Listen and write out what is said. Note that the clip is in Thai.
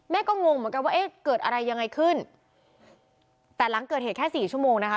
ก็งงเหมือนกันว่าเอ๊ะเกิดอะไรยังไงขึ้นแต่หลังเกิดเหตุแค่สี่ชั่วโมงนะคะ